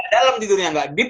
dalem tidurnya gak dip